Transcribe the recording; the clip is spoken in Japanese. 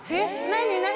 何何？